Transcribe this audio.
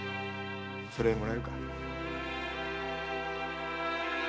〔それもらえるか？〕